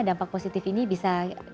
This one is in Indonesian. dampak positif ini bisa